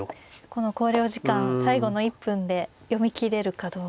この考慮時間最後の１分で読み切れるかどうか。